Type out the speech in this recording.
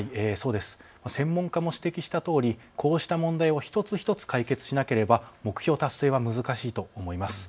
専門家も指摘したとおりこうした問題を一つ一つ解決しなければ目標達成は難しいと思います。